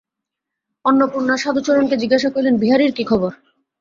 অন্নপূর্ণা সাধুচরণকে জিজ্ঞাসা করিলেন, বিহারীর কী খবর।